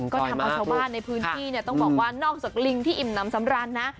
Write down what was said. ก็ทำเอาชาวบ้านในพื้นที่เนี่ยต้องบอกว่านอกจากลิงที่อิ่มน้ำสำราญนะ